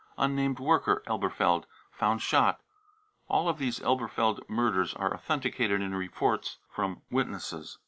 unnamed worker, Elberfeld, found shot. (All of these Elberfeld murders are authenticated in reports from witnesses.)